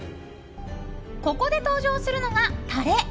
ここで登場するのがタレ！